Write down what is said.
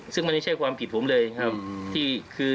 ซึ่งมันไม่ใช่ความผิดผมเลยครับ